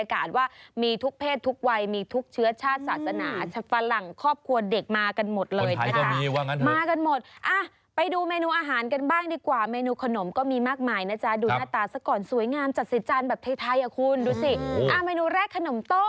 คลีมบินเขด่าทรอดประตาสักก่อนสวยงามจัดสิดจันแบบท